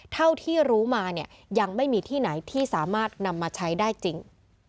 เท่าที่รู้มาเนี่ยยังไม่มีที่ไหนที่สามารถนำมาใช้ได้จริง